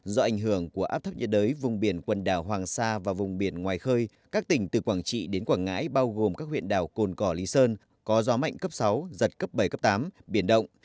do ảnh hưởng của áp thấp nhiệt đới vùng biển quần đảo hoàng sa và vùng biển ngoài khơi các tỉnh từ quảng trị đến quảng ngãi bao gồm các huyện đảo cồn cỏ lý sơn có gió mạnh cấp sáu giật cấp bảy cấp tám biển động